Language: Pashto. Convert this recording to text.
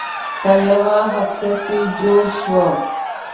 په یوه هفته کې جوړ شوم.